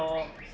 seperti apa sih